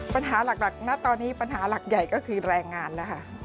ปัญหาหลักณตอนนี้ปัญหาหลักใหญ่ก็คือแรงงานนะคะ